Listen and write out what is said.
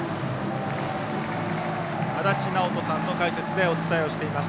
足達尚人さんの解説でお伝えをしています。